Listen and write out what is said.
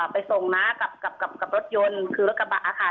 ไปส่งน้ากับรถยนต์คือรถกระบะค่ะ